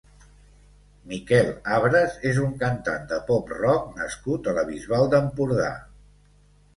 Miquel Abras és un cantant de pop rock nascut a la Bisbal d'Empordà.